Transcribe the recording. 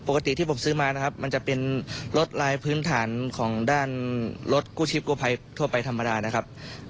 ปกติที่ผมซื้อมานะครับมันจะเป็นรถลายพื้นฐานของด้านรถกู้ชีพกู้ภัยทั่วไปธรรมดานะครับ